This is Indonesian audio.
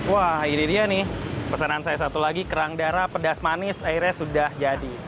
wah ini dia nih pesanan saya satu lagi kerang darah pedas manis airnya sudah jadi